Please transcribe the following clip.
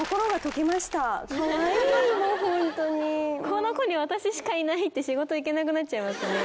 この子には私しかいないって仕事行けなくなっちゃいますね。